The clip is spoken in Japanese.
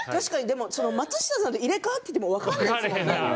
松下さんと入れ代わっていても分からないですもんね。